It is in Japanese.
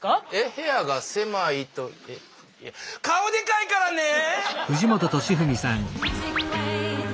部屋が狭いとえいや顔でかいからねえ！